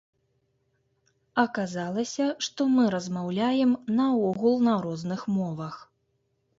Аказалася, што мы размаўляем наогул на розных мовах.